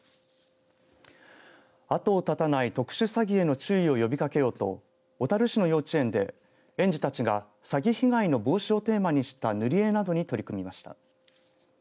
後を絶たない特殊詐欺への注意を呼びかけようと小樽市の幼稚園で園児たちが詐欺被害の防止をテーマにした塗り絵などに取り組みました。